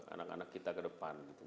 anak anak kita ke depan gitu